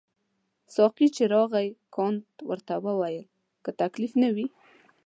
ساقي چې راغی کانت ورته وویل که تکلیف نه وي.